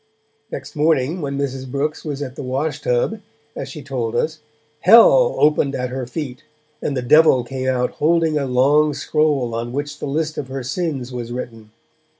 Next morning, when Mrs. Brooks was at the wash tub, as she told us, Hell opened at her feet, and the Devil came out holding a long scroll on which the list of her sins was written.